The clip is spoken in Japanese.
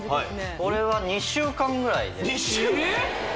これは２週間ぐらいで２週間！？